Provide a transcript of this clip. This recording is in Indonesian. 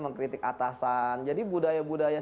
mengkritik atasan jadi budaya budaya